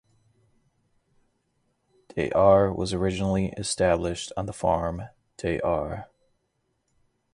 De Aar was originally established on the Farm De Aar.